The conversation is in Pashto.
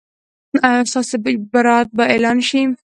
ایا ستاسو برات به اعلان شي؟